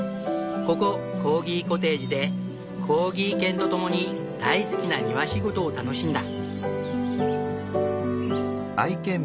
ここコーギコテージでコーギー犬と共に大好きな庭仕事を楽しんだ。